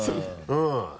うん。